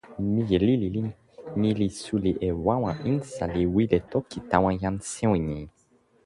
mije lili ni li suli e wawa insa li wile toki tawa jan sewi ni.